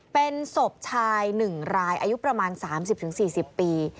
เป็นศพชายหนึ่งรายอายุประมาณสามสิบถึงสี่สิบปี